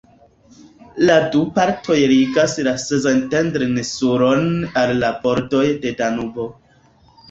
La du partoj ligas la Szentendre-insulon al la bordoj de Danubo.